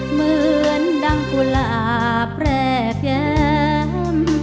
เหมือนดังกุหลาบแปลกแย้ม